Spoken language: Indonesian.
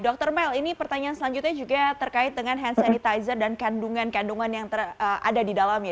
dr mel ini pertanyaan selanjutnya juga terkait dengan hand sanitizer dan kandungan kandungan yang ada di dalamnya